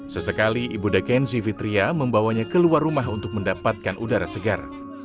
sesekali ibu dakenzi fitria membawanya keluar rumah untuk mendapatkan udara segar